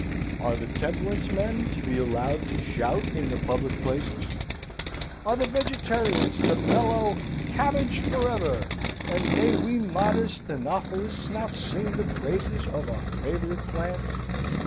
Are the Temperance men to be allowed to shout in the public places? are the Vegetarians to bellow "Cabbage for ever?" and may we modest Enophilists not sing the praises of our favourite plant?